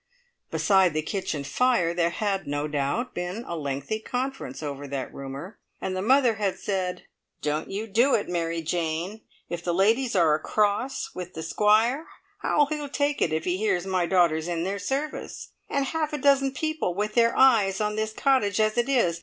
Beside the kitchen fire there had, no doubt, been a lengthy conference over that rumour, and the mother had said, "Don't you do it, Mary Jane. If the ladies are across with the Squire, how'll he take it if he hears my daughter's in their service? And half a dozen people with their eyes on this cottage as it is.